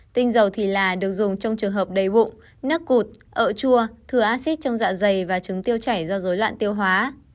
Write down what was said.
tinh dầu thì là được dùng trong trường hợp đầy bụng nắc cụt ậu chua thừa acid trong dạ dày và trứng tiêu chảy do dối loạn tiêu hóa